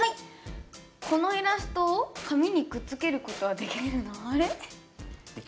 このイラストを紙にくっつけることはできるの？